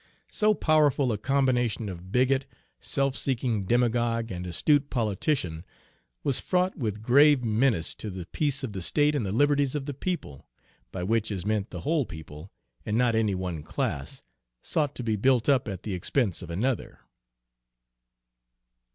So powerful a combination of bigot, self seeking demagogue, and astute politician was fraught with grave menace to the peace of the state and the liberties of the people, by which is meant the whole people, and not any one class, sought to be built up at the expense of another.